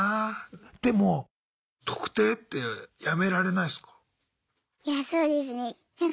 でも「特定」ってやめられないすか？